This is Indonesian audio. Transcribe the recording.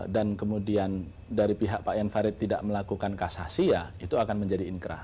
dan kemudian dari pihak pak yan farid tidak melakukan kasasi ya itu akan menjadi inkrah